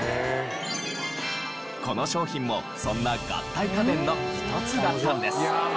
この商品もそんな合体家電の一つだったんです。